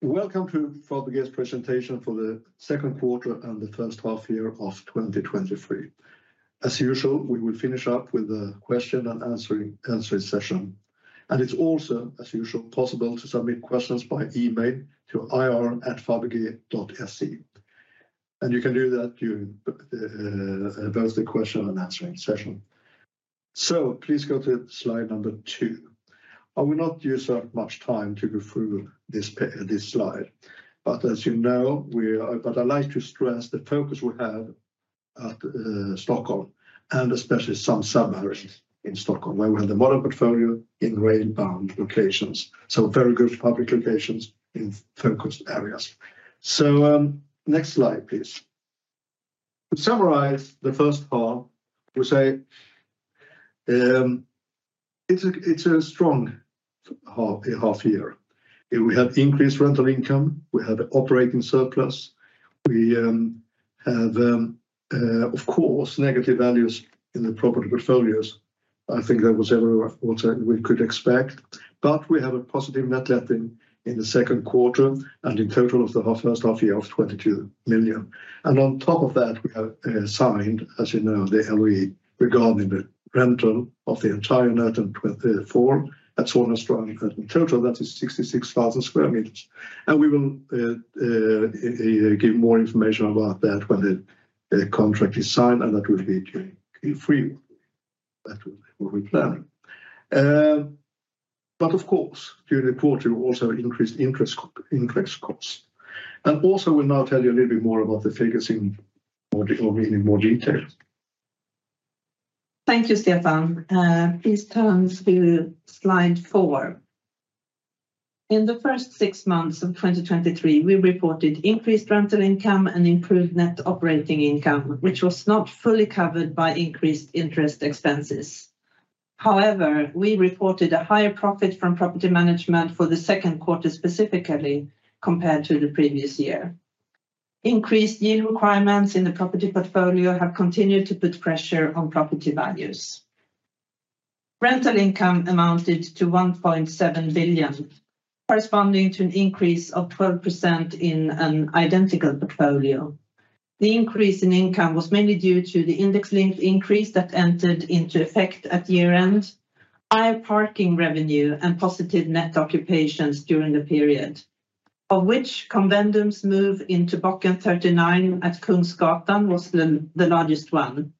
Welcome to Fabege's presentation for the Q2 and the H1 year of 2023. As usual, we will finish up with a question and answering session, and it's also, as usual, possible to submit questions by email to ir@fabege.se. You can do that during the question and answering session. Please go to slide number two. I will not use up much time to go through this slide, but as you know. I'd like to stress the focus we have at Stockholm, and especially some suburbs in Stockholm, where we have the modern portfolio in rail-bound locations, very good public locations in focused areas. Next slide, please. To summarize the first part, we say, it's a strong half year. We have increased rental income, we have operating surplus, we have, of course, negative values in the property portfolios. I think that was everywhere, what we could expect. We have a positive net letting in the Q2, and in total of the half, H1 year of 22 million. On top of that, we have signed, as you know, the LOI regarding the rental of the entire Nöten 4 at Solna Strand. In total, that is 66,000 square meters. We will give more information about that when the contract is signed, and that will be in Q3. That's what we plan. Of course, during the quarter, we also increased interest costs. Also, we'll now tell you a little bit more about the figures in more detail. Thank you, Stefan. Please turn to slide four. In the first six months of 2023, we reported increased rental income and improved net operating income, which was not fully covered by increased interest expenses. We reported a higher profit from property management for the Q2, specifically, compared to the previous year. Increased yield requirements in the property portfolio have continued to put pressure on property values. Rental income amounted to 1.7 billion, corresponding to an increase of 12% in an identical portfolio. The increase in income was mainly due to the index link increase that entered into effect at year-end, higher parking revenue, and positive net occupations during the period, of which CONVENDUM's move into Bocken 39 at Kungsgatan was the largest one.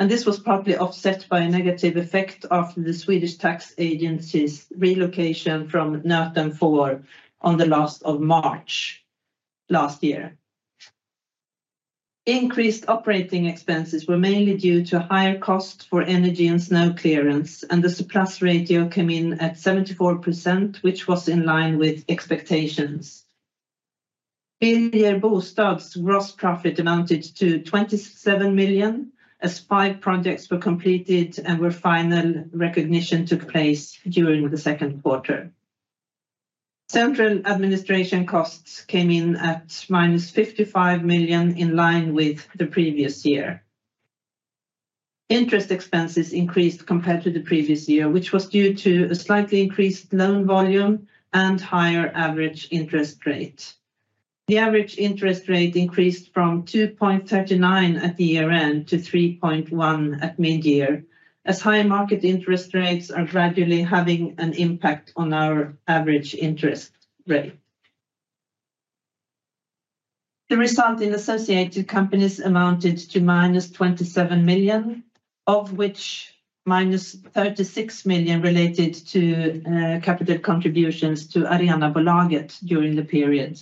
This was partly offset by a negative effect of the Swedish Tax Agency's relocation from Nöten 4 on the last of March last year. Increased operating expenses were mainly due to higher costs for energy and snow clearance, and the surplus ratio came in at 74%, which was in line with expectations. Birger Bostad's gross profit amounted to 27 million, as five projects were completed and where final recognition took place during the Q2. Central administration costs came in at -55 million, in line with the previous year. Interest expenses increased compared to the previous year, which was due to a slightly increased loan volume and higher average interest rate. The average interest rate increased from 2.39 at the year-end to 3.1 at mid-year, as high market interest rates are gradually having an impact on our average interest rate. The result in associated companies amounted to -27 million, of which -36 million related to capital contributions to Arenabolaget during the period.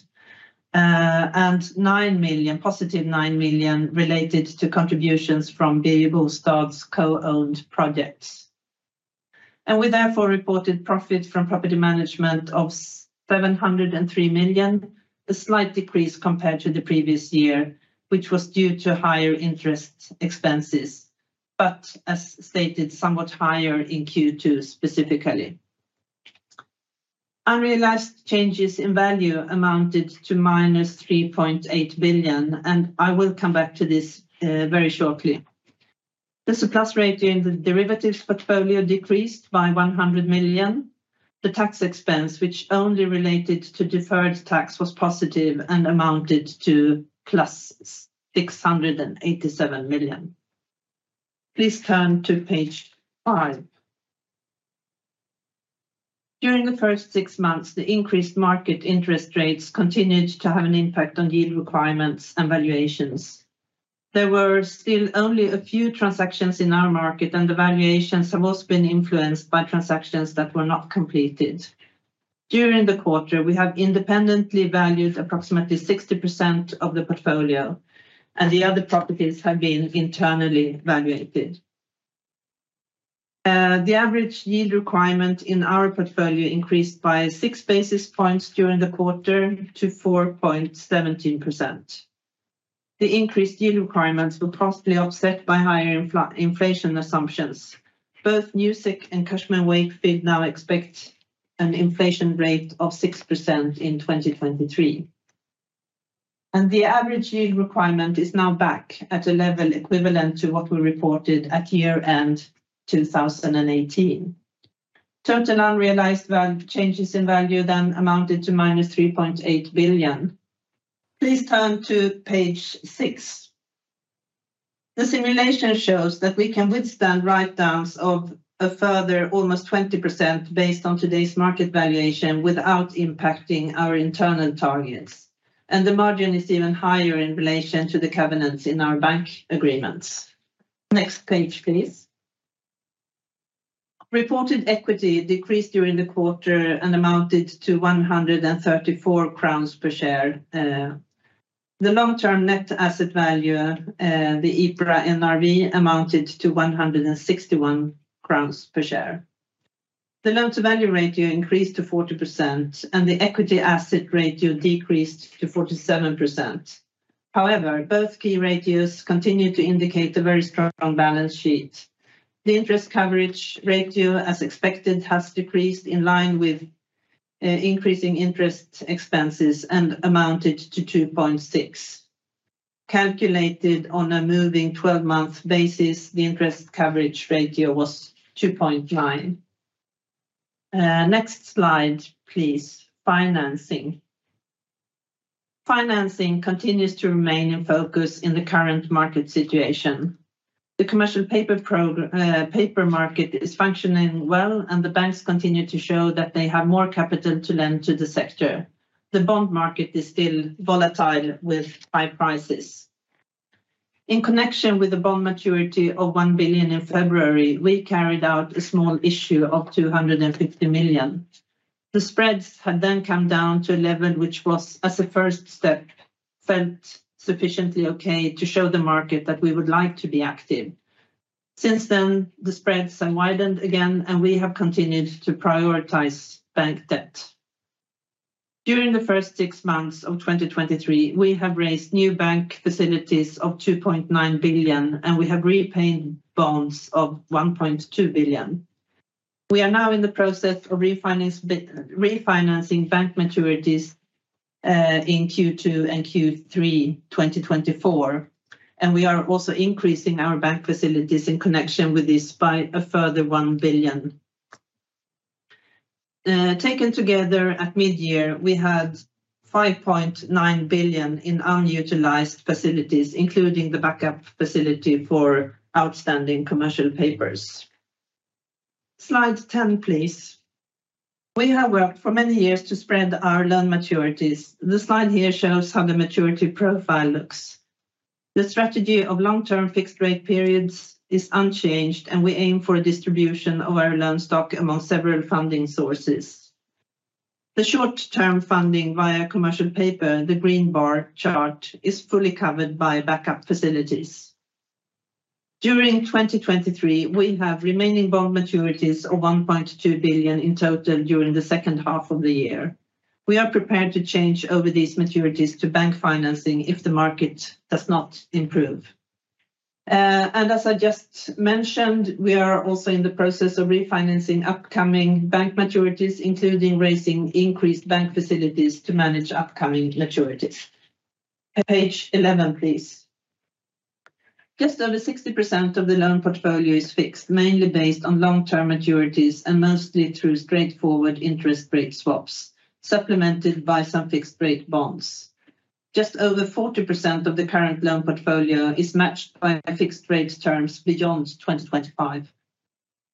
9 million, positive 9 million, related to contributions from Birger Bostad's co-owned projects. We therefore reported profit from property management of 703 million, a slight decrease compared to the previous year, which was due to higher interest expenses, but as stated, somewhat higher in Q2, specifically. Unrealized changes in value amounted to -3.8 billion, and I will come back to this very shortly. The surplus ratio in the derivatives portfolio decreased by 100 million. The tax expense, which only related to deferred tax, was positive and amounted to +687 million. Please turn to page 5. During the first six months, the increased market interest rates continued to have an impact on yield requirements and valuations. There were still only a few transactions in our market, and the valuations have also been influenced by transactions that were not completed. During the quarter, we have independently valued approximately 60% of the portfolio, and the other properties have been internally evaluated. The average yield requirement in our portfolio increased by six basis points during the quarter to 4.17%. The increased yield requirements were partially offset by higher inflation assumptions. Both Newsec and Cushman & Wakefield now expect an inflation rate of 6% in 2023. The average yield requirement is now back at a level equivalent to what we reported at year-end 2018. Total unrealized value, changes in value then amounted to minus 3.8 billion. Please turn to page six. The simulation shows that we can withstand write-downs of a further almost 20% based on today's market valuation, without impacting our internal targets, and the margin is even higher in relation to the covenants in our bank agreements. Next page, please. Reported equity decreased during the quarter and amounted to 134 crowns per share. The long-term net asset value, the EPRA NRV, amounted to 161 crowns per share. The loan-to-value ratio increased to 40%, and the equity asset ratio decreased to 47%. Both key ratios continue to indicate a very strong balance sheet. The interest coverage ratio, as expected, has decreased in line with increasing interest expenses and amounted to 2.6. Calculated on a moving 12-month basis, the interest coverage ratio was 2.9. Next slide, please. Financing. Financing continues to remain in focus in the current market situation. The commercial paper market is functioning well, and the banks continue to show that they have more capital to lend to the sector. The bond market is still volatile, with high prices. In connection with the bond maturity of 1 billion in February, we carried out a small issue of 250 million. The spreads had then come down to a level which was, as a first step, felt sufficiently okay to show the market that we would like to be active. Since then, the spreads have widened again, and we have continued to prioritize bank debt. During the first six months of 2023, we have raised new bank facilities of 2.9 billion, and we have repaid bonds of 1.2 billion. We are now in the process of refinancing bank maturities, in Q2 and Q3 2024, and we are also increasing our bank facilities in connection with this by a further 1 billion. Taken together, at mid-year, we had 5.9 billion in unutilized facilities, including the backup facility for outstanding commercial papers. Slide 10, please. We have worked for many years to spread our loan maturities. The slide here shows how the maturity profile looks. The strategy of long-term fixed rate periods is unchanged, and we aim for a distribution of our loan stock among several funding sources. The short-term funding via commercial paper, the green bar chart, is fully covered by backup facilities. During 2023, we have remaining bond maturities of 1.2 billion in total during the H2 of the year. We are prepared to change over these maturities to bank financing if the market does not improve. As I just mentioned, we are also in the process of refinancing upcoming bank maturities, including raising increased bank facilities to manage upcoming maturities. Page 11, please. Just over 60% of the loan portfolio is fixed, mainly based on long-term maturities and mostly through straightforward interest rate swaps, supplemented by some fixed rate bonds. Just over 40% of the current loan portfolio is matched by fixed rate terms beyond 2025.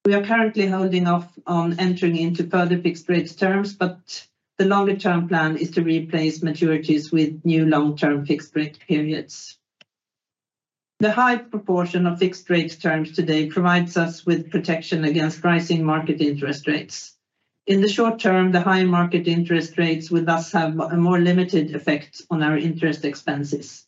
We are currently holding off on entering into further fixed rate terms, but the longer-term plan is to replace maturities with new long-term fixed rate periods. The high proportion of fixed rate terms today provides us with protection against rising market interest rates. In the short term, the high market interest rates will thus have a more limited effect on our interest expenses.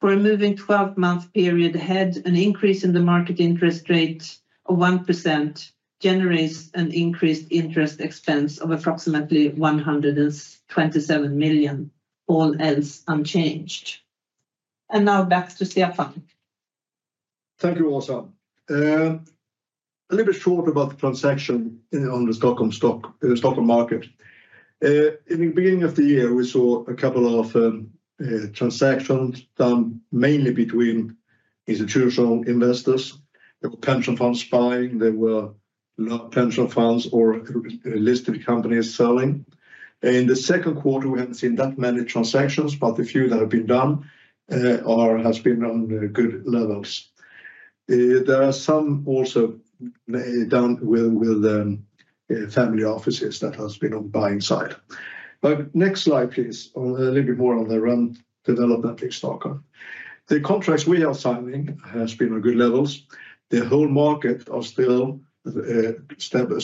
For a moving 12-month period ahead, an increase in the market interest rate of 1% generates an increased interest expense of approximately 127 million, all else unchanged. Now back to Stefan. Thank you, Åsa. A little bit short about the Stockholm market. In the beginning of the year, we saw a couple of transactions done mainly between institutional investors. There were pension funds buying, there were lot pension funds or listed companies selling. In the Q2, we haven't seen that many transactions, but the few that have been done has been on good levels. There are some also down with family offices that has been on buying side. Next slide, please. On a little bit more on the rent development in Stockholm. The contracts we are signing has been on good levels. The whole market are still stable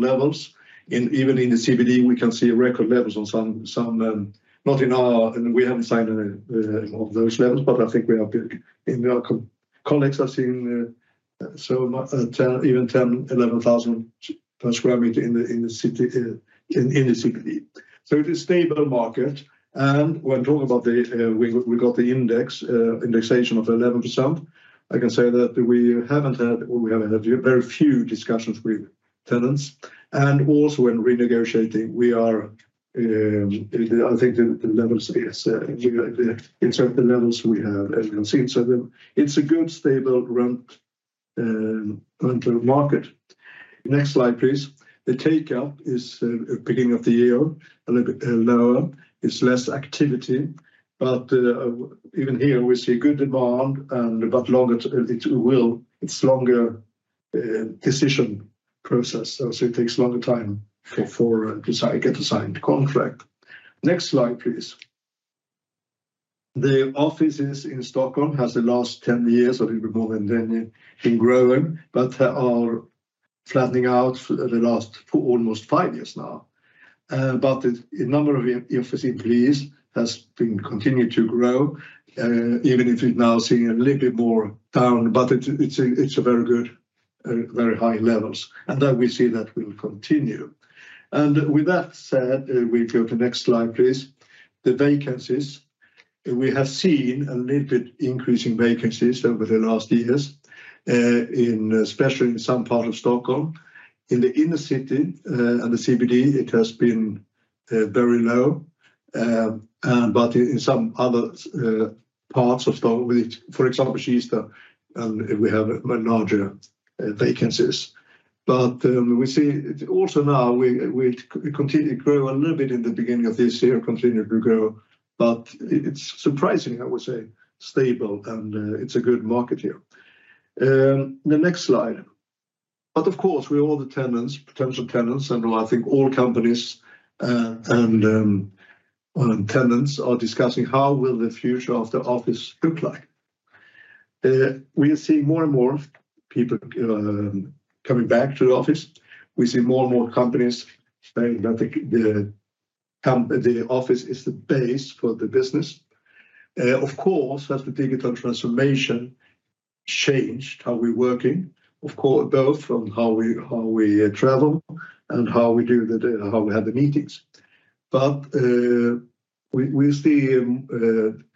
levels. Even in the CBD, we can see record levels on some, not in our- We haven't signed any of those levels, but I think we have been, and our co- connects are seeing, [inaudible] even 10,000, 11,000 per square meter in the city, in the CBD. It is stable market, and when talking about the, we got the indexation of 11%, I can say that we haven't had, we have had very few discussions with tenants. Also in renegotiating, we are, I think the levels is in certain levels we have, as you can see. It's a good, stable rent, rental market. Next slide, please. The takeout is beginning of the year, a little bit lower. It's less activity, but even here, we see good demand, but longer it's longer decision process, so it takes longer time to get a signed contract. Next slide, please. The offices in Stockholm has the last 10 years, a little bit more than then, been growing, but are flattening out for the last almost five years now. The number of emphasis lease has been continued to grow, even if it's now seeing a little bit more down, but it's a very good, very high levels, and that we see that will continue. With that said, we go to the next slide, please. The vacancies. We have seen a little bit increase in vacancies over the last years, in especially in some part of Stockholm. In the inner city, and the CBD, it has been very low. In some other parts of Stockholm, for example, Kista, we have larger vacancies. We see also now, we continue to grow a little bit in the beginning of this year, continued to grow, but it's surprisingly, I would say, stable, and it's a good market here. The next slide. Of course, we all the tenants, potential tenants, and I think all companies, and tenants are discussing how will the future of the office look like? We are seeing more and more people coming back to the office. We see more and more companies saying that the office is the base for the business. Of course, as the digital transformation changed, how we working, of course, both on how we travel and how we have the meetings. We see.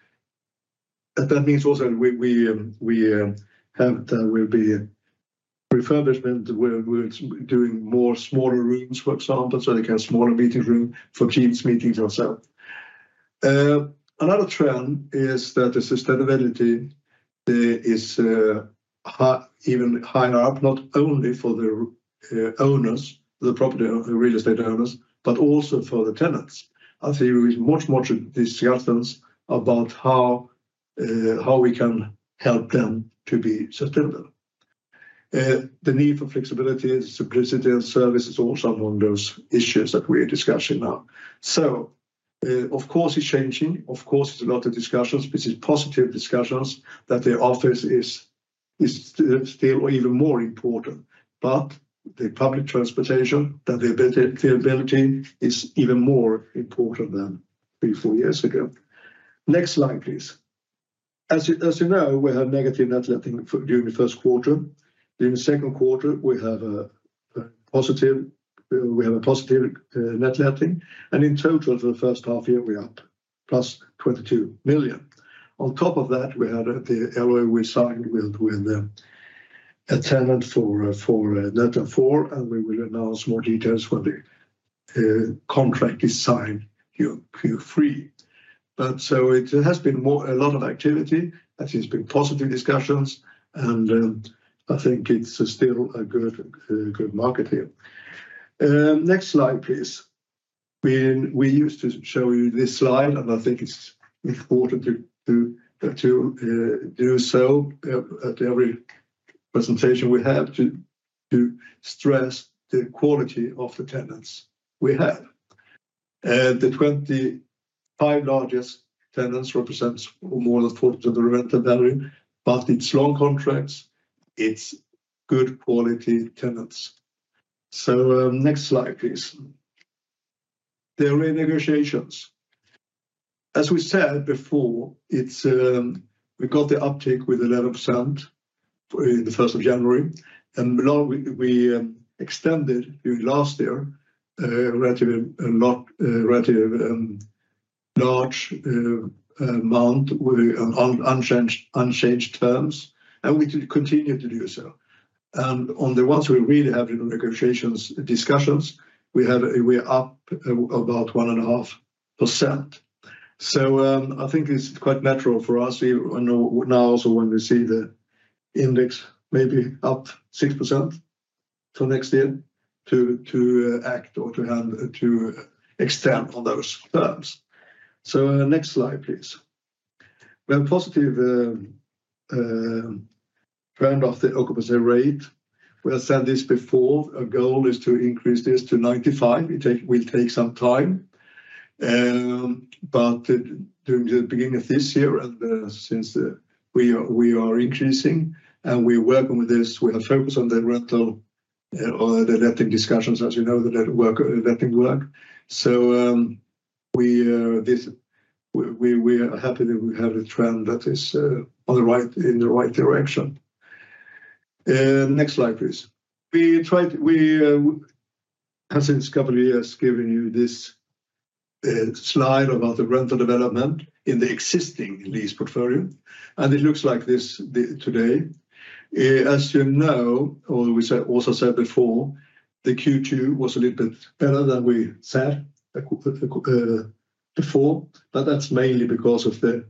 That means also we have will be refurbishment, where we're doing more smaller rooms, for example, so they can have smaller meeting room for Teams meetings ourselves. Another trend is that sustainability is high, even higher up, not only for the owners, the property, the real estate owners, but also for the tenants. I see much discussions about how we can help them to be sustainable. The need for flexibility and simplicity and service is also among those issues that we are discussing now. Of course, it's changing. Of course, it's a lot of discussions. This is positive discussions. The office is still even more important. The public transportation, that the ability is even more important than three, four years ago. Next slide, please. As you know, we had negative net letting during the Q1. During the Q2, we have a positive net letting. In total, for the H1 year, we are up +22 million. On top of that, we had the LOI we signed with a tenant for Nöten 4. We will announce more details when the contract is signed Q3. It has been a lot of activity, that has been positive discussions. I think it's still a good market here. Next slide, please. When we used to show you this slide, I think it's important to do so at every presentation. We have to stress the quality of the tenants we have. The 25 largest tenants represents more than four to the rental value, but it's long contracts, it's good quality tenants. Next slide, please. The renegotiations. As we said before, it's, we got the uptake with 11% for the 1 January. Now we extended last year, relatively a lot, relatively large amount with unchanged terms. We continue to do so. On the ones we really have negotiations discussions, we are up about 1.5%. I think it's quite natural for us, we know now, when we see the index maybe up 6%, next year to act or to extend on those terms. Next slide, please. We have positive trend of the occupancy rate. We have said this before, our goal is to increase this to 95. It will take some time. During the beginning of this year and since we are increasing, and we welcome with this, we are focused on the rental or the letting discussions, as you know, the letting work. We are happy that we have a trend that is in the right direction. Next slide, please. We tried, we has since a couple of years, given you this. Slide about the rental development in the existing lease portfolio, and it looks like this the, today. As you know, or we said, also said before, the Q2 was a little bit better than we said before, but that's mainly because of the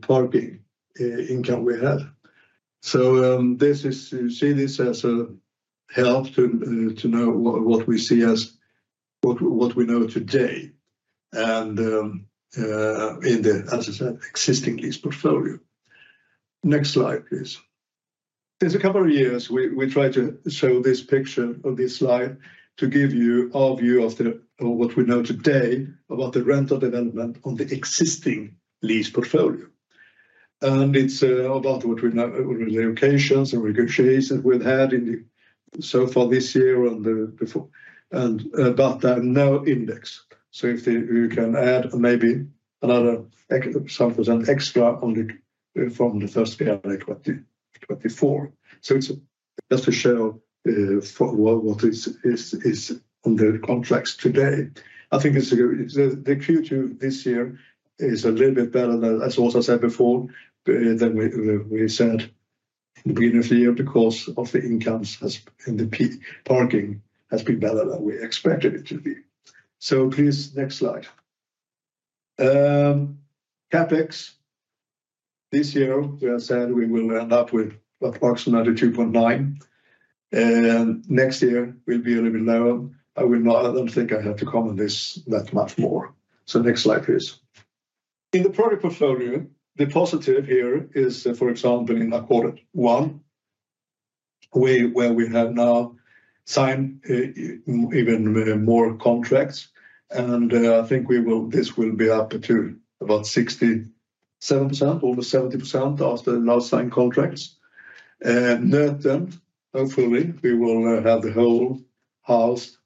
parking income we had. This is, you see this as a help to know what we see as what we know today, and in the, as I said, existing lease portfolio. Next slide, please. There's a couple of years we tried to show this picture on this slide to give you our view of the what we know today about the rental development on the existing lease portfolio. It's about what we know, locations and negotiations we've had in the so far this year and the before, and about that now index. If you can add maybe another example, an extra on the, from the first year of 2024. It's just to show for what is on the contracts today. I think the Q2 this year is a little bit better than, as also said before, than we said in the beginning of the year because of the incomes, as in the parking has been better than we expected it to be. Please, next slide. CapEx. This year, we have said we will end up with approximately 2.9, and next year will be a little bit lower. I will not, I don't think I have to comment this that much more. Next slide, please. In the product portfolio, the positive here is, for example, in the Q1, we, where we have now signed even more contracts, I think this will be up to about 67%, over 70% of the now signed contracts. Hopefully, we will have the whole house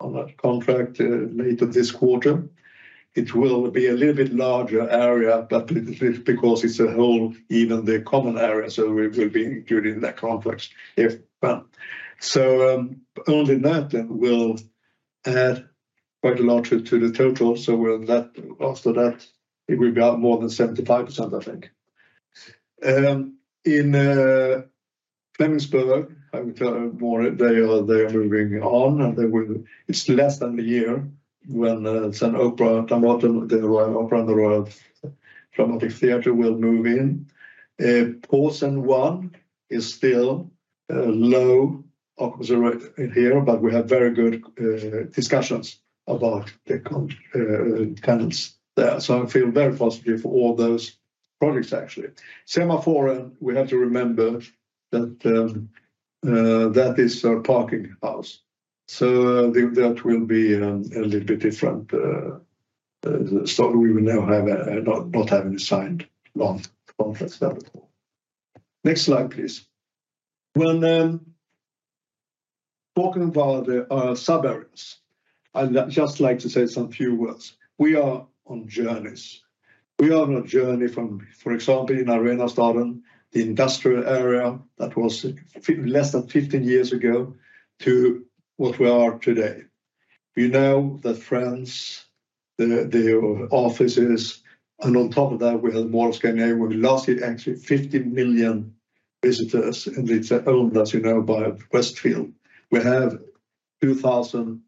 on a contract later this quarter. It will be a little bit larger area, but it, because it's a whole, even the common area, we will be including that contract if well. Only that will add quite a lot to the total, we'll let, after that, it will be up more than 75%, I think. In Flemingsberg, I will tell you more, they are moving on, and they will. It's less than a year when Opera and the Royal Dramatic Theatre will move in. Porten 1 is still low occupancy rate in here, but we have very good discussions about the tenants there. I feel very positive for all those projects, actually. Semaforen, we have to remember that that is a parking house, so that will be a little bit different, so we will now have not have any signed long contracts there before. Next slide, please. When talking about the sub-areas, I'd just like to say some few words. We are on journeys. We are on a journey from, for example, in Arenastaden, the industrial area that was less than 15 years ago, to what we are today. We know that friends, the offices, and on top of that, we have Mall of Scandinavia, we lost actually 50 million visitors, and it's owned, as you know, by Westfield. We have 2,000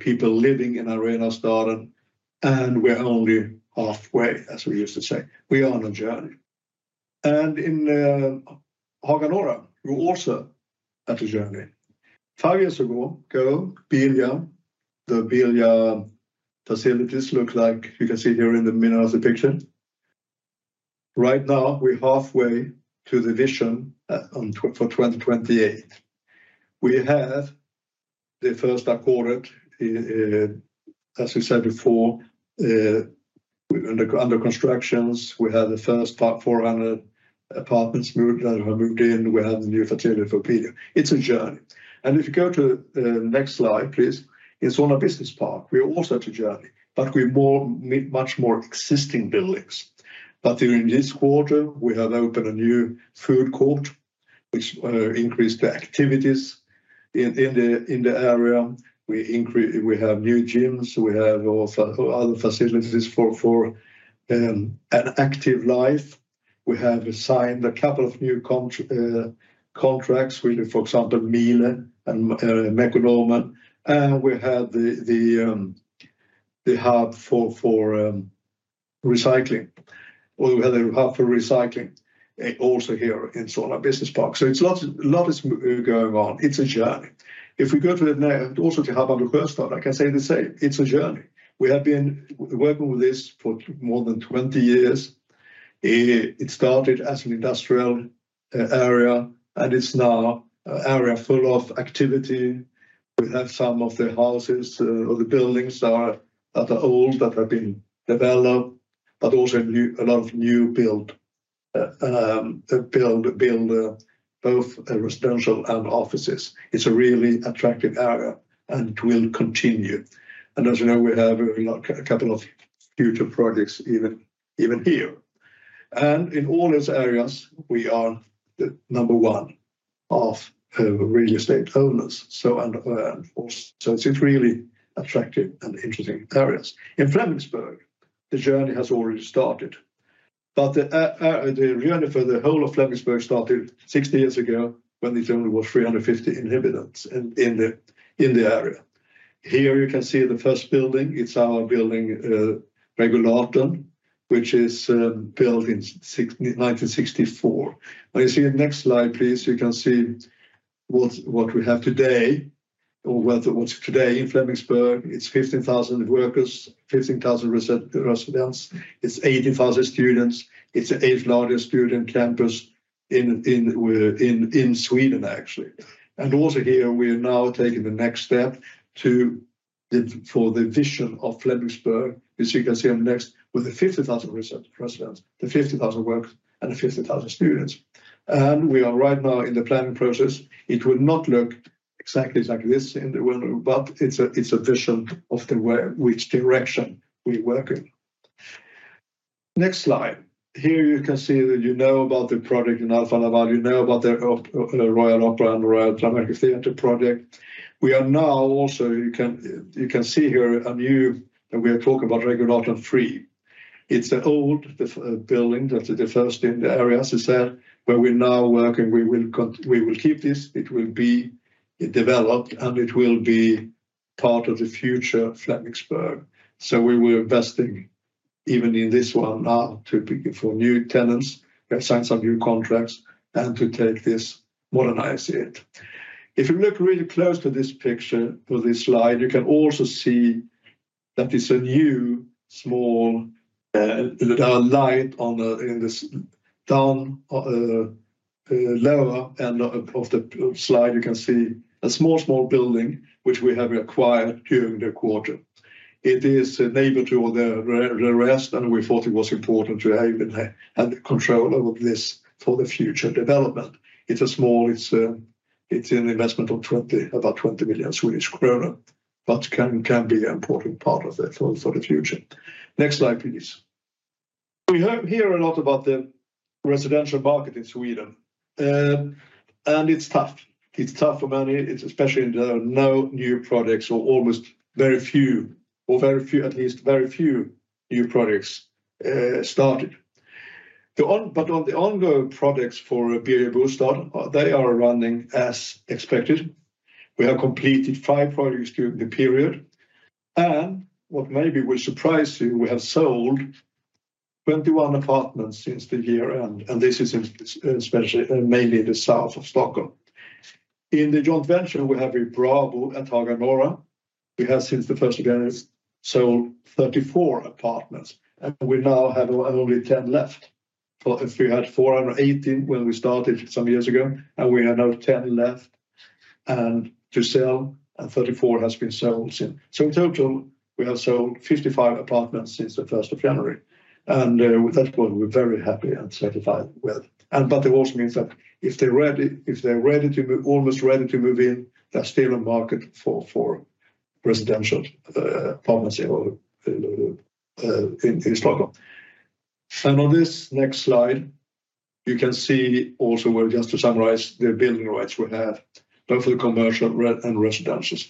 people living in Arenastaden, we're only halfway, as we used to say. We are on a journey. In Hagalund, we're also at a journey. 5 years ago, the Birger facilities look like, you can see here in the middle of the picture. Right now, we're halfway to the vision for 2028. We have the Q1, as we said before, under constructions. We have the first park, 400 apartments moved in. We have the new facility for Birger. It's a journey. If you go to the next slide, please, it's on a business park. We are also at a journey, but we're much more existing buildings. During this quarter, we have opened a new food court, which increased the activities in the area. We have new gyms, we have other facilities for an active life. We have signed a couple of new contracts with, for example, Miele and Mekonomen, and we have the hub for recycling. We have a hub for recycling also here in Solna Business Park. A lot is moving, going on. It's a journey. We go to the now, also to have on the first start, I can say the same. It's a journey. We have been working with this for more than 20 years. It started as an industrial area, and it's now an area full of activity. We have some of the houses, or the buildings are the old that have been developed, but also new, a lot of new build, both residential and offices. It's a really attractive area, and it will continue. As you know, we have a couple of future projects even here. In all these areas, we are the number one of real estate owners, and so it's really attractive and interesting areas. In Flemingsberg, the journey has already started. The journey for the whole of Flemingsberg started 60 years ago when there only was 350 inhabitants in the area. Here you can see the first building. It's our building, Regulus, which is built in 1964. When you see the next slide, please, you can see what we have today, or what's today in Flemingsberg. It's 15,000 workers, 15,000 residents. It's 18,000 students. It's the 8th largest student campus in Sweden, actually. Also here, we are now taking the next step for the vision of Flemingsberg, as you can see on the next, with the 50,000 residents, the 50,000 workers, and the 50,000 students. We are right now in the planning process. It will not look exactly like this in the world, but it's a vision of which direction we work in. Next slide. Here you can see that you know about the project in Alfa Laval. You know about the Royal Opera and Royal Dramatic Theatre project. We are now also, you can see here. We are talking about Regulatorn 3. It's the old building, that's the first in the area, as I said, where we're now working. We will keep this, it will be developed, and it will be part of the future Flemingsberg. We were investing even in this one now to be for new tenants, sign some new contracts, and to take this, modernize it. If you look really close to this picture, to this slide, you can also see that it's a new, small, light on the, in this down, lower end of the slide, you can see a small building which we have acquired during the quarter. It is a neighbor to all the rest, and we thought it was important to have in there, have control over this for the future development. It's a small, it's an investment of about 20 million Swedish kronor, but can be an important part of it for the future. Next slide, please. We hear a lot about the residential market in Sweden. It's tough. It's tough for many, it's especially there are no new products or almost very few, at least very few new products started. On the ongoing products for Birger Bostad, they are running as expected. We have completed five projects during the period, and what maybe will surprise you, we have sold 21 apartments since the year, and this is especially, mainly in the south of Stockholm. In the joint venture, we have in Brabo and Haga Norra, we have since the 01 January, sold 34 apartments, and we now have only 10 left. For if we had 418 when we started some years ago, and we have now 10 left, and to sell, and 34 has been sold since. In total, we have sold 55 apartments since the 01 January, and with that one, we're very happy and satisfied with. It also means that if they're ready to move, almost ready to move in, there's still a market for residential apartments in Stockholm. On this next slide, you can see also, well, just to summarize, the building rights we have, both for the commercial and residences.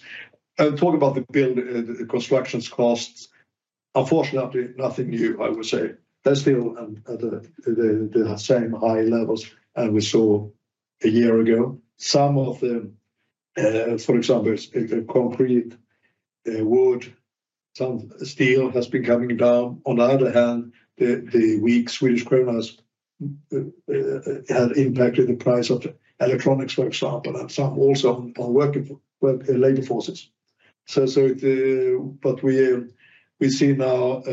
I'll talk about the construction costs. Unfortunately, nothing new, I would say. They're still at the same high levels as we saw a year ago. Some of the, for example, the concrete, the wood, some steel has been coming down. On the other hand, the weak Swedish krona has had impacted the price of electronics, for example, and some also on working labor forces. But we see now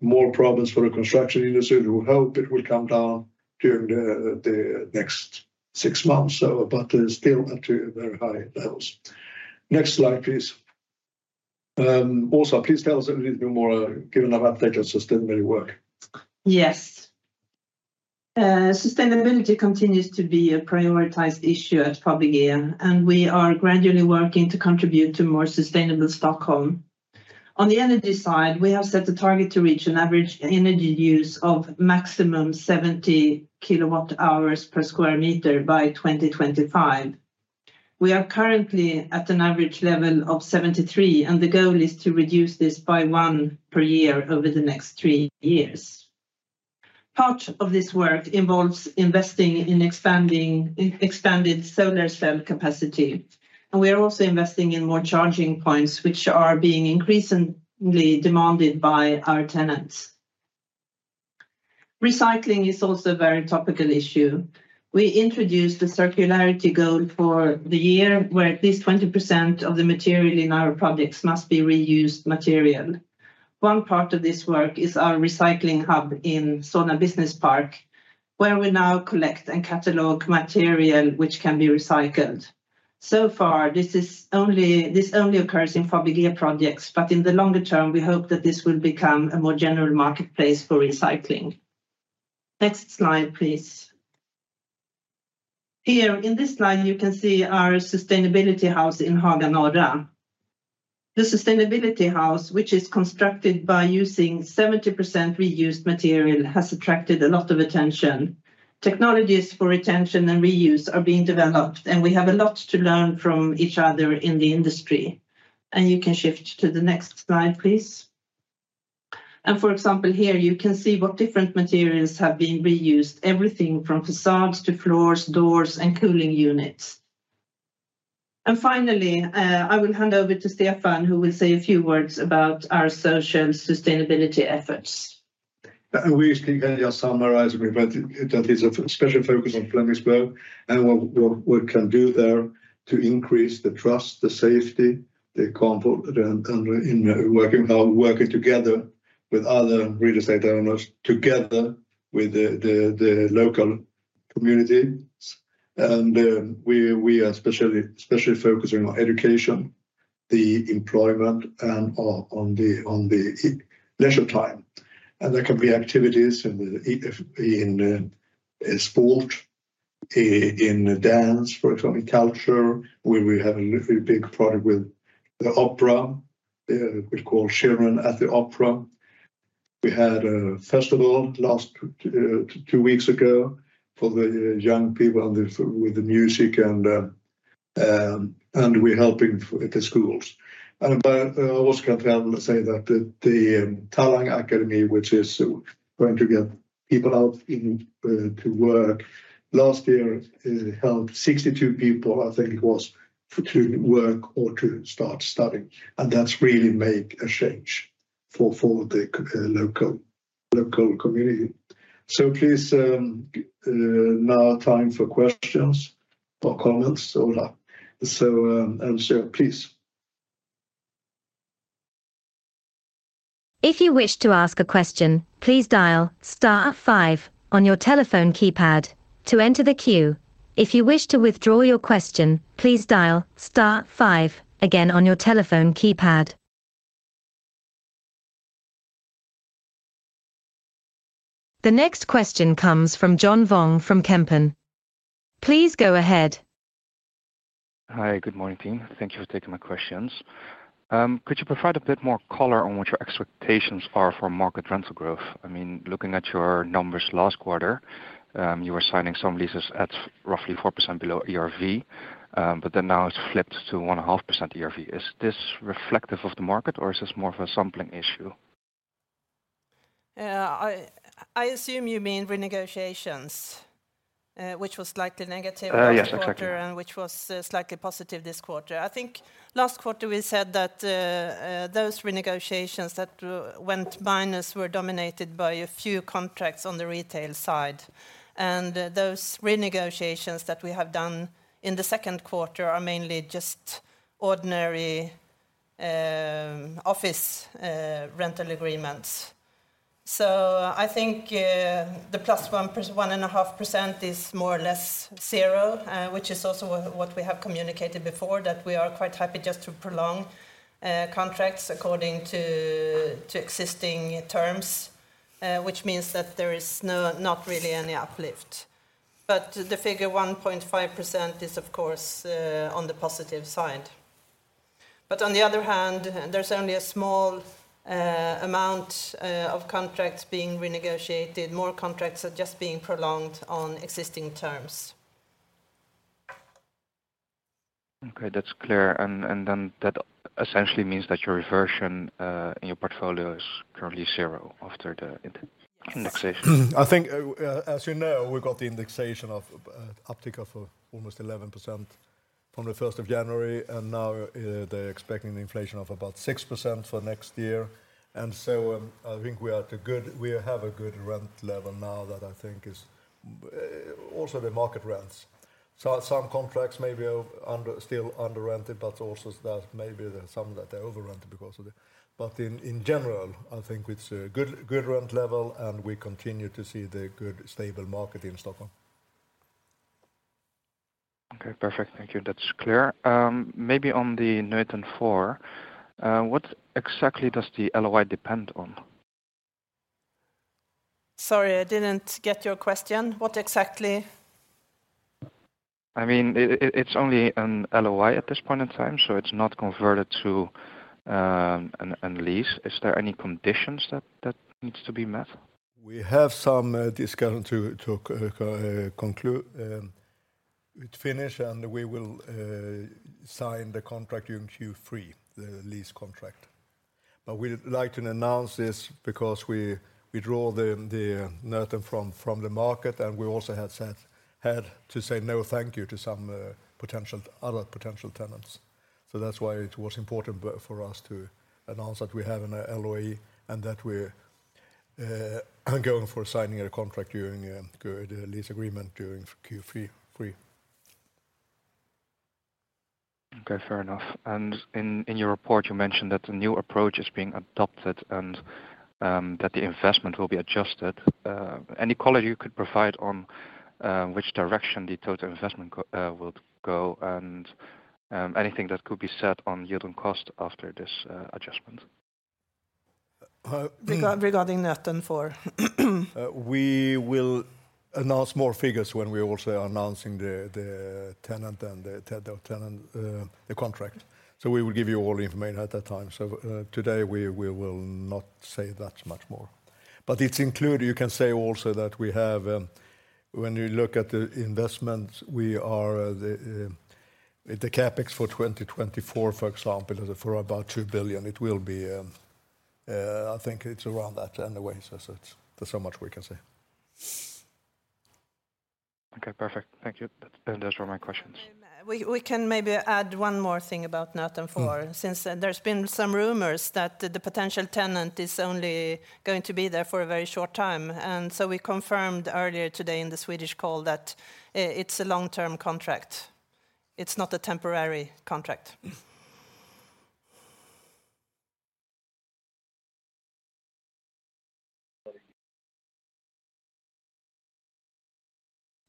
more problems for the construction industry. We hope it will come down during the next six months, so, but still at a very high levels. Next slide, please. Åsa, please tell us a little bit more, give an update on sustainability work. Yes. Sustainability continues to be a prioritized issue at Fabege, and we are gradually working to contribute to more sustainable Stockholm. On the energy side, we have set a target to reach an average energy use of maximum 70 kilowatt hours per square meter by 2025. We are currently at an average level of 73, and the goal is to reduce this by 1 per year over the next 3 years. Part of this work involves investing in expanded solar cell capacity, and we are also investing in more charging points, which are being increasingly demanded by our tenants. Recycling is also a very topical issue. We introduced a circularity goal for the year, where at least 20% of the material in our products must be reused material. One part of this work is our recycling hub in Solna Business Park, where we now collect and catalog material which can be recycled. So far, this only occurs in Fabege projects, in the longer term, we hope that this will become a more general marketplace for recycling. Next slide, please. Here in this slide, you can see our Sustainability House in Haga Norra. The Sustainability House, which is constructed by using 70% reused material, has attracted a lot of attention. Technologies for retention and reuse are being developed, we have a lot to learn from each other in the industry. You can shift to the next slide, please. For example, here, you can see what different materials have been reused. Everything from facades to floors, doors, and cooling units. Finally, I will hand over to Stefan, who will say a few words about our social and sustainability efforts. We just need to summarize, but that is a special focus on Flemingsberg and what we can do there to increase the trust, the safety, the comfort, and in working together with other real estate owners, together with the local communities. We are especially focusing on education, the employment, and on the leisure time. There can be activities in sport, in dance, for example, culture. We have a really big project with the Opera, we call Children at the Opera. We had a festival last two weeks ago for the young people and with the music, and we're helping with the schools. But also, Katrin, I wanna say that the TalangAkademin, which is going to get people out in to work, last year, it helped 62 people, I think it was, to work or to start studying, and that's really make a change for the local community. Please, now time for questions or comments. please. If you wish to ask a question, please dial star five on your telephone keypad to enter the queue. If you wish to withdraw your question, please dial star five again on your telephone keypad. The next question comes from John Vuong from Kempen. Please go ahead. Hi, good morning, team. Thank you for taking my questions. Could you provide a bit more color on what your expectations are for market rental growth? I mean, looking at your numbers last quarter, you were signing some leases at roughly 4% below ERV, but then now it's flipped to 1.5% ERV. Is this reflective of the market, or is this more of a sampling issue? I assume you mean renegotiations, which was slightly negative. Yes, exactly. Last quarter, which was slightly positive this quarter. I think last quarter we said that those renegotiations that went minus were dominated by a few contracts on the retail side. Those renegotiations that we have done in the Q2 are mainly just ordinary office rental agreements. I think the +1.5% is more or less zero, which is also what we have communicated before, that we are quite happy just to prolong contracts according to existing terms, which means that there is not really any uplift. The figure 1.5% is, of course, on the positive side. On the other hand, there's only a small amount of contracts being renegotiated. More contracts are just being prolonged on existing terms. Okay, that's clear. That essentially means that your reversion in your portfolio is currently zero after the indexation? I think, as you know, we've got the indexation of uptick of almost 11% from the 01 January. Now, they're expecting the inflation of about 6% for next year. So, I think we have a good rent level now that I think is also the market rents. Some contracts may be under, still underrented, but also that maybe there are some that are overrented because of the- but in general, I think it's a good rent level. We continue to see the good, stable market in Stockholm. Okay, perfect. Thank you. That's clear. Maybe on the Nöten 4, what exactly does the LOI depend on? Sorry, I didn't get your question. What exactly? I mean, it's only an LOI at this point in time, so it's not converted to an lease. Is there any conditions that needs to be met? We have some discussion to conclude with finish, and we will sign the contract during Q3, the lease contract. We like to announce this because we draw Nöten 4 from the market, and we also had to say, "No, thank you," to some other potential tenants. That's why it was important for us to announce that we have an LOI and that we're going for signing a contract during good lease agreement during Q3. Okay, fair enough. In your report, you mentioned that a new approach is being adopted and that the investment will be adjusted. Any color you could provide on which direction the total investment would go, and anything that could be said on yield and cost after this adjustment? regarding Nöten 4. We will announce more figures when we also are announcing the tenant and the contract. We will give you all the information at that time. Today we will not say that much more. It's included, you can say also that we have, when you look at the investment, we are the CapEx for 2024, for example, is for about 2 billion. It will be, I think it's around that anyway. That's how much we can say. Okay, perfect. Thank you. Those were my questions. We can maybe add one more thing about Nöten 4. Mm. Since there's been some rumors that the potential tenant is only going to be there for a very short time. We confirmed earlier today in the Swedish call that it's a long-term contract. It's not a temporary contract.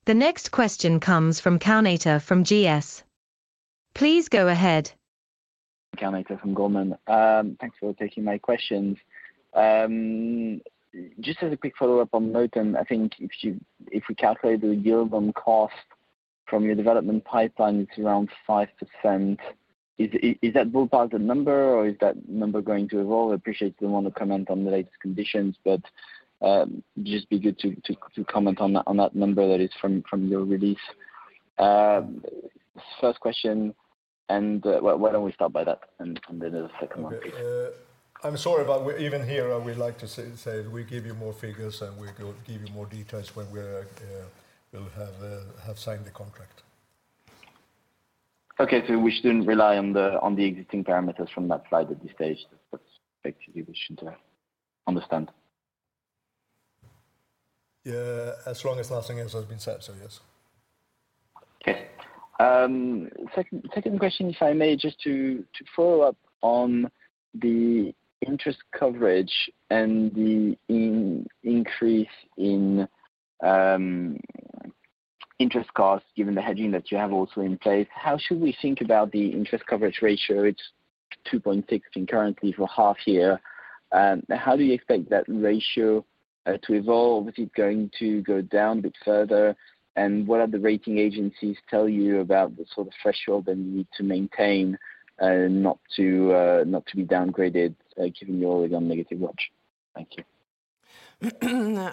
The next question comes from Kownator from GS. Please go ahead. Kownator from Goldman. Thanks for taking my questions. Just as a quick follow-up on Nöten 4, I think if we calculate the yield on cost from your development pipeline, it's around 5%. Is that ballpark the number, or is that number going to evolve? I appreciate you don't want to comment on the latest conditions, but just be good to comment on that number that is from your release. First question. Why don't we start by that, and then the second one? I'm sorry, even here, I would like to say we give you more figures, and we go give you more details when we're, we'll have signed the contract. Okay. We shouldn't rely on the existing parameters from that slide at this stage. That's actually we should understand. Yeah, as long as nothing else has been said, so yes. Okay. Second question, if I may, just to follow up on the interest coverage and the increase in interest costs, given the hedging that you have also in place, how should we think about the interest coverage ratio? It's 2.6 currently for half year. How do you expect that ratio to evolve? Is it going to go down a bit further? What are the rating agencies tell you about the sort of threshold that you need to maintain not to be downgraded, given you already on negative watch? Thank you.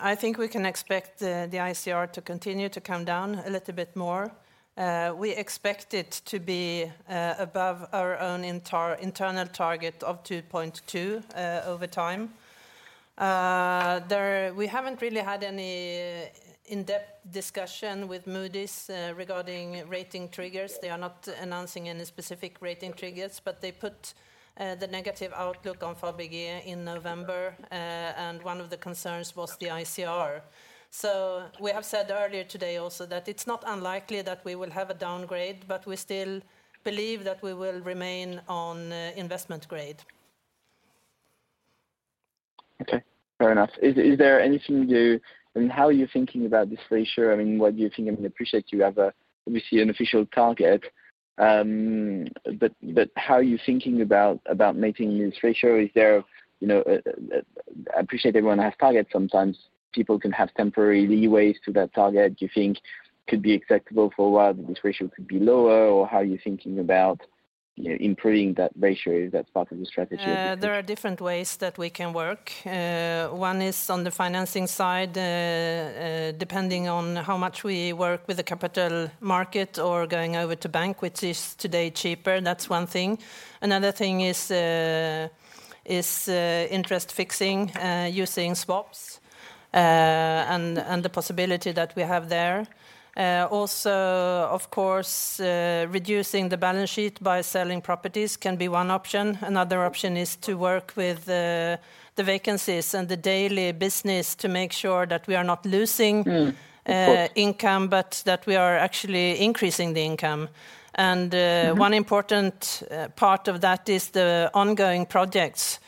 I think we can expect the ICR to continue to come down a little bit more. We expect it to be above our own internal target of 2.2 over time. We haven't really had any in-depth discussion with Moody's regarding rating triggers. They are not announcing any specific rating triggers, but they put the negative outlook on Fabege in November, and one of the concerns was the ICR. We have said earlier today also that it's not unlikely that we will have a downgrade, but we still believe that we will remain on investment grade. Okay, fair enough. Is there anything you do? How are you thinking about this ratio? I mean, what do you think? I mean, appreciate you have, obviously, an official target. How are you thinking about maintaining this ratio? Is there, you know, I appreciate everyone has targets. Sometimes people can have temporary leeways to that target. Do you think could be acceptable for a while, this ratio could be lower, or how are you thinking about, you know, improving that ratio if that's part of the strategy? There are different ways that we can work. One is on the financing side, depending on how much we work with the capital market or going over to bank, which is today cheaper. That's one thing. Another thing is interest fixing, using swaps, and the possibility that we have there. Also, of course, reducing the balance sheet by selling properties can be one option. Another option is to work with the vacancies and the daily business to make sure that we are not losing. Mm. income, but that we are actually increasing the income. Mm-hmm. One important part of that is the ongoing projects.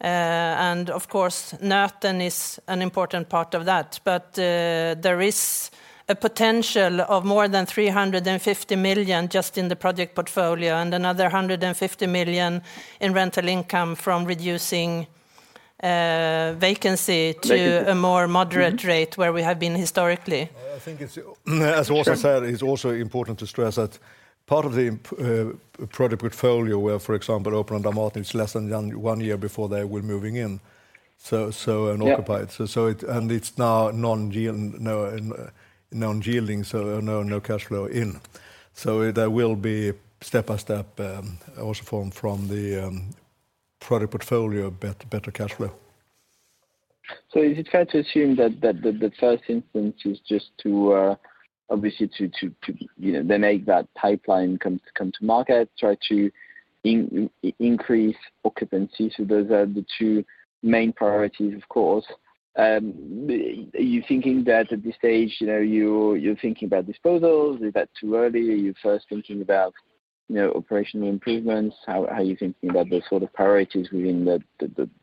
Of course, Nöten is an important part of that. There is a potential of more than 350 million just in the project portfolio, and another 150 million in rental income from reducing vacancy. vacancy To a more moderate rate where we have been historically. I think it's, as also said, it's also important to stress that part of the product portfolio, where, for example, Operan and Dramaten, it's less than one year before they were moving in. Yeah And occupied. It's now non-yield, non-yielding, no cash flow in. There will be step by step, also from the product portfolio, better cash flow. Is it fair to assume that the first instance is just to, obviously, to, you know, then make that pipeline come to market, try to increase occupancy? Those are the two main priorities, of course. Are you thinking that at this stage, you know, you're thinking about disposals? Is that too early? Are you first thinking about, you know, operational improvements? How are you thinking about the sort of priorities within the,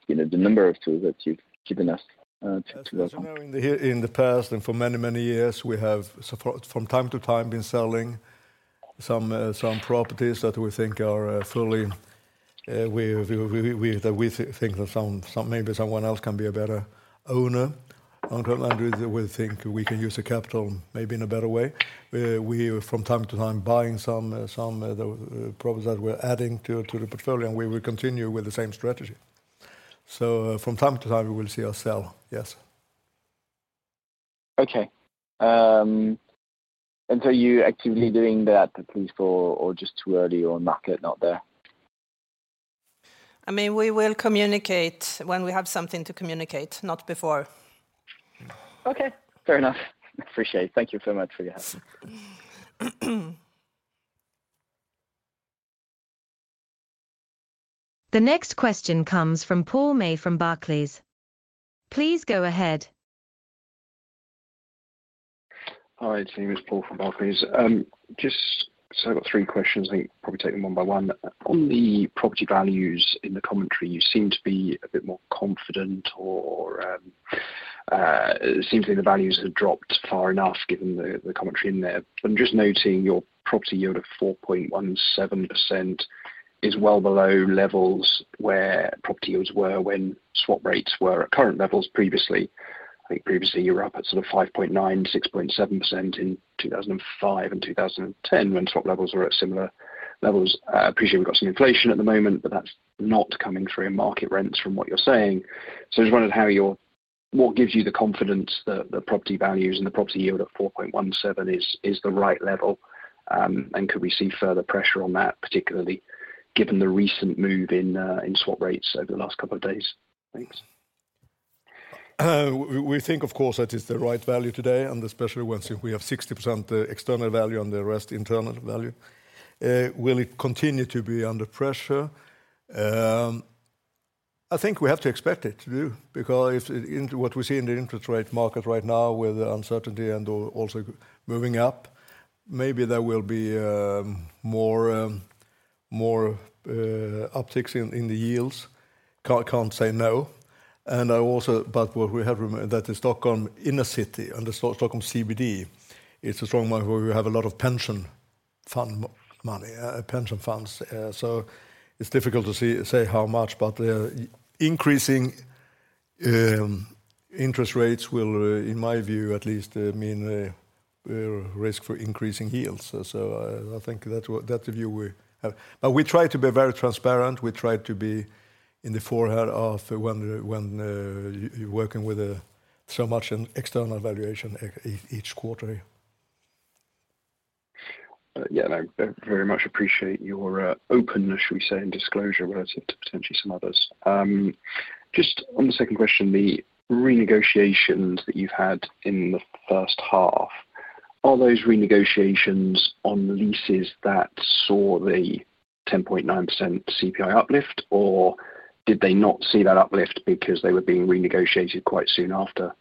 you know, the number of tools that you've given us to work? As you know, in the past, and for many, many years, we have from time to time been selling some properties that we think are fully, we that we think that maybe someone else can be a better owner. We think we can use the capital maybe in a better way. We from time to time buying some properties that we're adding to the portfolio, and we will continue with the same strategy. From time to time, we will see ourself, yes. Okay. Are you actively doing that at least or just too early or market not there? I mean, we will communicate when we have something to communicate, not before. Okay, fair enough. Appreciate it. Thank you so much for your help. The next question comes from Paul May from Barclays. Please go ahead. Hi, team, it's Paul from Barclays. Just I've got three questions, I think probably take them one by one. On the property values in the commentary, you seem to be a bit more confident or, it seems like the values have dropped far enough, given the commentary in there. I'm just noting your property yield of 4.17% is well below levels where property yields were when swap rates were at current levels previously. I think previously, you were up at sort of 5.9%, 6.7% in 2005 and 2010, when swap levels were at similar levels. Appreciate we've got some inflation at the moment, that's not coming through in market rents from what you're saying. I just wondered what gives you the confidence that the property values and the property yield of 4.17% is the right level? Could we see further pressure on that, particularly given the recent move in swap rates over the last couple of days? Thanks. We think, of course, that is the right value today, and especially once if we have 60% external value and the rest internal value. Will it continue to be under pressure? I think we have to expect it to do, because if what we see in the interest rate market right now with the uncertainty and also moving up, maybe there will be more more upticks in the yields. Can't say no. What we have that the Stockholm inner city and the Stockholm CBD, it's a strong market where we have a lot of pension fund money, pension funds. It's difficult to say how much, but the increasing interest rates will, in my view, at least, mean risk for increasing yields. I think that's what, that's the view we have. We try to be very transparent. We try to be in the forehand of when you're working with so much in external valuation each quarterly. Yeah, I very much appreciate your openness, shall we say, and disclosure relative to potentially some others. Just on the second question, the renegotiations that you've had in the H1, are those renegotiations on the leases that saw the 10.9% CPI uplift, or did they not see that uplift because they were being renegotiated quite soon after?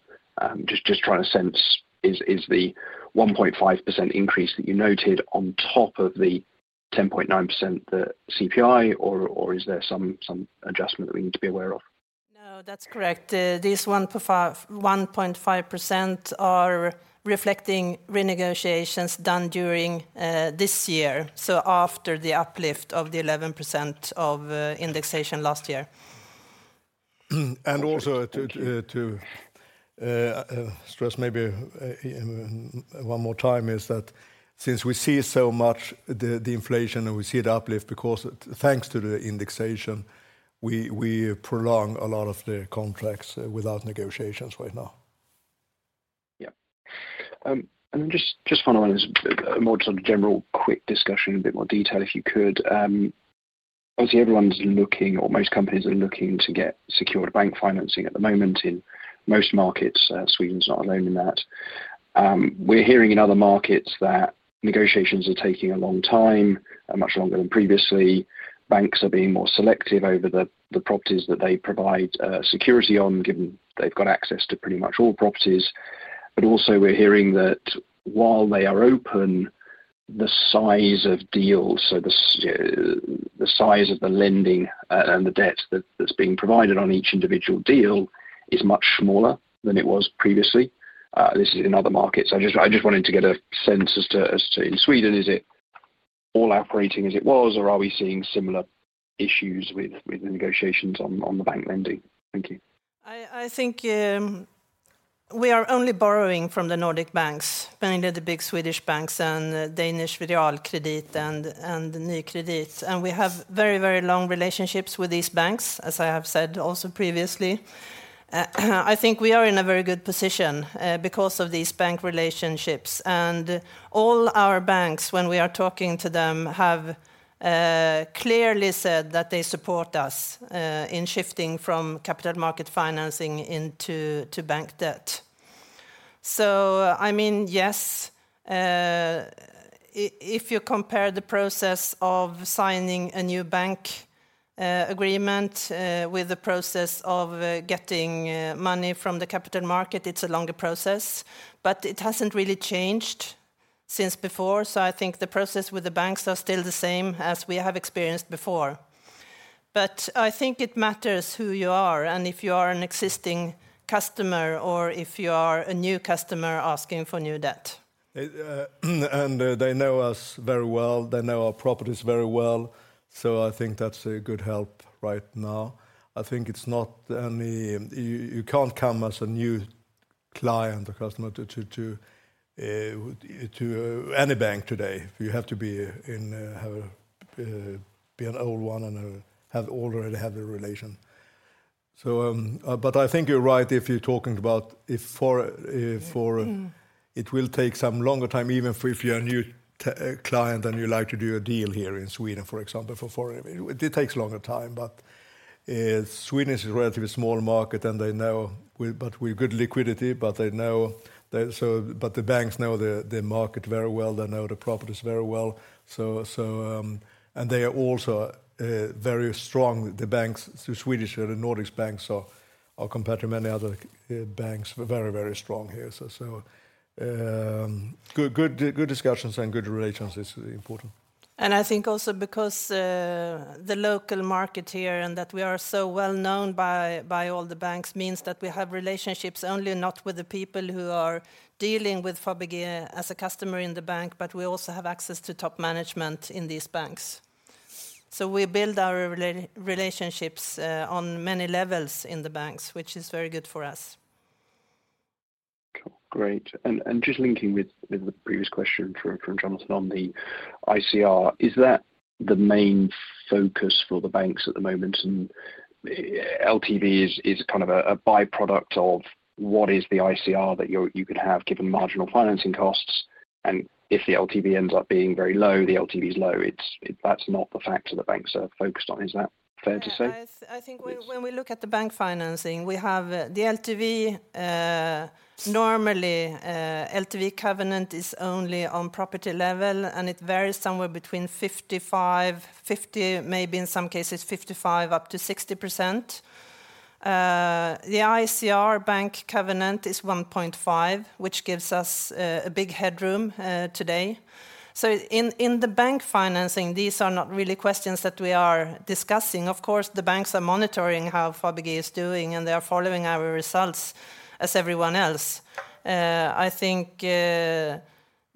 Just trying to sense, is the 1.5% increase that you noted on top of the 10.9%, the CPI, or is there some adjustment that we need to be aware of? No, that's correct. This 1.5% are reflecting renegotiations done during this year, so after the uplift of the 11% of indexation last year. And also to stress maybe, one more time, is that since we see so much the inflation and we see the uplift, because thanks to the indexation, we prolong a lot of the contracts without negotiations right now. Yeah. Just follow on this, a more sort of general quick discussion, a bit more detail, if you could. Obviously, everyone's looking or most companies are looking to get secured bank financing at the moment in most markets, Sweden is not alone in that. We're hearing in other markets that negotiations are taking a long time, much longer than previously. Banks are being more selective over the properties that they provide security on, given they've got access to pretty much all properties. Also, we're hearing that while they are open, the size of deals, so the size of the lending, and the debt that's being provided on each individual deal is much smaller than it was previously. This is in other markets. I just wanted to get a sense as to in Sweden, is it all operating as it was, or are we seeing similar issues with the negotiations on the bank lending? Thank you. I think we are only borrowing from the Nordic banks, mainly the big Swedish banks and Danish Nykredit. We have very, very long relationships with these banks, as I have said also previously. I think we are in a very good position because of these bank relationships. All our banks, when we are talking to them, have clearly said that they support us in shifting from capital market financing into to bank debt. I mean, yes, if you compare the process of signing a new bank agreement with the process of getting money from the capital market, it's a longer process, but it hasn't really changed since before. I think the process with the banks are still the same as we have experienced before. I think it matters who you are, and if you are an existing customer or if you are a new customer asking for new debt. They know us very well, they know our properties very well, so I think that's a good help right now. I think it's not only you can't come as a new client or customer to any bank today. You have to be in, be an old one and, have already a relation. I think you're right if you're talking about. it will take some longer time, even if you're a new client, and you like to do a deal here in Sweden, for example, for foreign. It takes a longer time. Sweden is a relatively small market, and we've good liquidity, but the banks know the market very well. They know the properties very well. They are also very strong, the banks. The Swedish or the Nordics banks are compared to many other banks, very, very strong here. Good discussions and good relations is important. I think also because the local market here, and that we are so well known by all the banks, means that we have relationships only, not with the people who are dealing with Fabege as a customer in the bank, but we also have access to top management in these banks. We build our relationships on many levels in the banks, which is very good for us. Cool. Great. Just linking with the previous question from Jonathan on the ICR, is that the main focus for the banks at the moment? LTV is kind of a by-product of what is the ICR that you could have, given marginal financing costs. If the LTV ends up being very low, the LTV is low. That's not the factor the banks are focused on. Is that fair to say? Yeah, I. Yes When we look at the bank financing, we have the LTV. Normally, LTV covenant is only on property level, and it varies somewhere between 55, 50, maybe in some cases, 55, up to 60%. The ICR bank covenant is 1.5, which gives us a big headroom today. In the bank financing, these are not really questions that we are discussing. Of course, the banks are monitoring how Fabege is doing, and they are following our results, as everyone else. I think,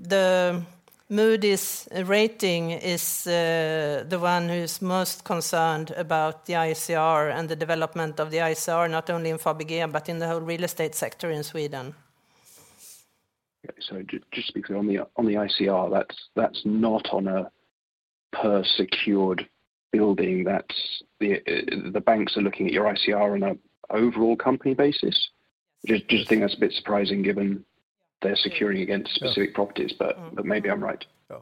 the Moody's rating is the one who's most concerned about the ICR and the development of the ICR, not only in Fabege but in the whole real estate sector in Sweden. Okay. Just because on the ICR, that's not on a per secured building, The banks are looking at your ICR on an overall company basis? just think that's a bit surprising, given they're securing against specific properties. Yeah. Maybe I'm right. Yeah.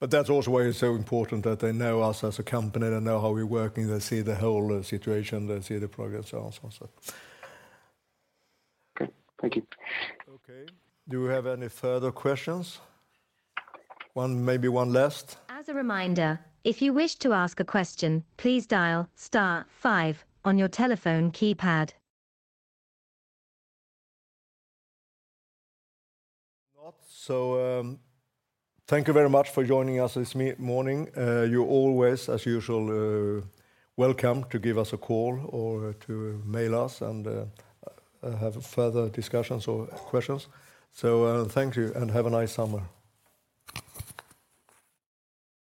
That's also why it's so important that they know us as a company. They know how we're working. They see the whole situation. They see the progress also. Okay. Thank you. Okay. Do you have any further questions? One, maybe one last? As a reminder, if you wish to ask a question, please dial star five on your telephone keypad. Not, so, thank you very much for joining us this morning. You're always, as usual, welcome to give us a call or to mail us, and, have further discussions or questions. Thank you, and have a nice summer.